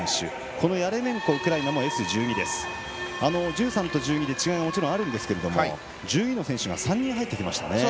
ヤレメンコはＳ１２１２と１３で違いはもちろんあるんですが１２の選手が３人入ってきました。